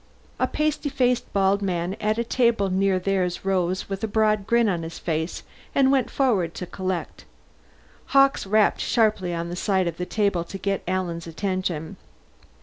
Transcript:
A pasty faced bald man at a table near theirs rose with a broad grin on his face and went forward to collect. Hawkes rapped sharply on the side of the table to get Alan's attention.